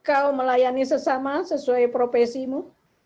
kau melayani sesama sesuai profesimu